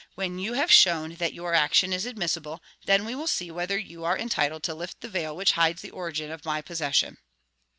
When you have shown that your action is admissible, then we will see whether you are entitled to lift the veil which hides the origin of my possession.'"